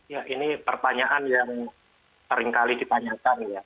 ya ini pertanyaan yang seringkali ditanyakan ya